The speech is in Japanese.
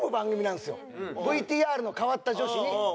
ＶＴＲの変わった女子に。